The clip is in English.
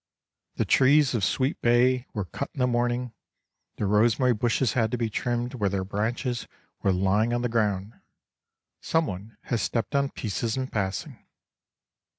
The trees of sweet bay were cut in the morning; the rosemary bushes had to be trimmed where their branches were lying on the ground; someone has stepped on pieces in passing.